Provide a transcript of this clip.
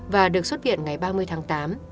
và được xuất viện ngày ba mươi tháng tám